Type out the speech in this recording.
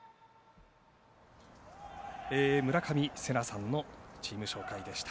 村上世直さんのチーム紹介でした。